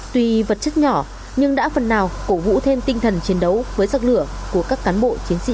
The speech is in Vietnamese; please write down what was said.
tùy vật chất nhỏ nhưng đã phần nào cổ vũ thêm tinh thần chiến đấu với giặc lửa của các cán bộ chiến sĩ